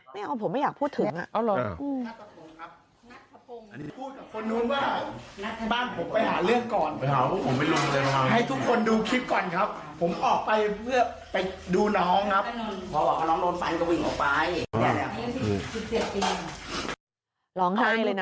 ไม่เอาผมไม่อยากพูดถึง